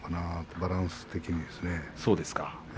バランス的にですね。